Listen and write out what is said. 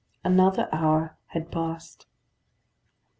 Another hour had passed.